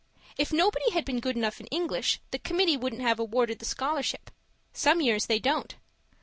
If nobody had been good enough in English, the committee wouldn't have awarded the scholarship; some years they don't.